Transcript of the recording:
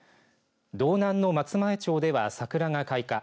道南の松前町では桜が開花。